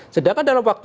sedangkan dalam waktu